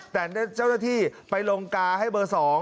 แต่เจ้าหน้าที่ไปลงกาให้เบอร์๒